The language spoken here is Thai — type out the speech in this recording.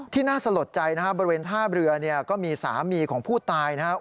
น่าสลดใจนะครับบริเวณท่าเรือเนี่ยก็มีสามีของผู้ตายนะครับ